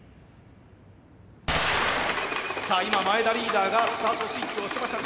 さあ今前田リーダーがスタートスイッチを押しました。